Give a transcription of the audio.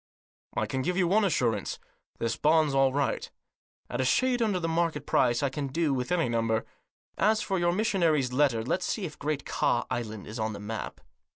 "I can give you one assurance — this bond's all right. At a shade under the market price, I can do with any number. As for your missionary's letter, let's see if Great Ka Island is on the map."